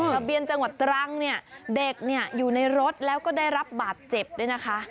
ระเบียนจังหวัดตรังเนี่ยเด็กเนี่ยอยู่ในรถแล้วก็ได้รับบาดเจ็บด้วยนะคะ